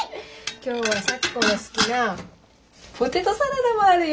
今日は幸子が好きなポテトサラダもあるよ。